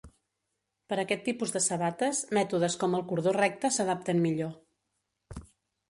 Per aquest tipus de sabates, mètodes com el cordó recte s'adapten millor.